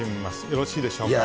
よろしいでしょうか。